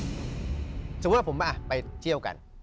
สมมุติว่าผมไปเที่ยวกัน